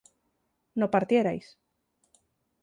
no partierais